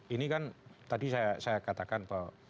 ini kan tadi saya katakan bahwa